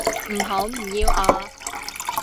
唔好唔要我